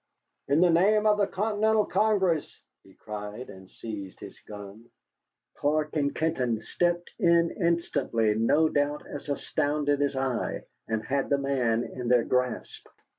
"In the name of the Continental Congress," he cried, and seized his gun. Clark and Kenton stepped in instantly, no doubt as astounded as I, and had the man in their grasp.